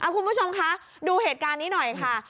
คุณผู้ชมคะดูเหตุการณ์นี้หน่อยค่ะ